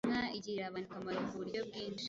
Inka igirira abantu akamaro ku buryo bwinshi.